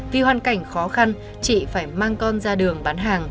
vì hoàn cảnh khó khăn chị phải mang con ra đường bán hàng